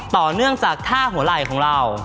ต่อเนื่องจากท่าหัวไหล่ของเรา